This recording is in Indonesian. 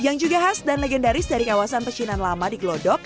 yang juga khas dan legendaris dari kawasan pecinan lama di glodok